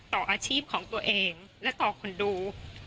ต่ออาชีพของตัวเองและต่อคนดู